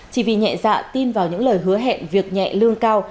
chỉ vì nhẹ dạ tin vào những lời hứa hẹn việc nhẹ lương cao